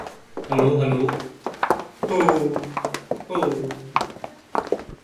The film has musical score by Chakravarthy.